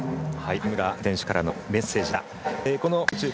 八村塁選手からのメッセージでした。